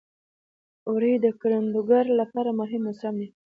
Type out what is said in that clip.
وری د کروندګرو لپاره مهم موسم دی.